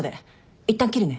いったん切るね。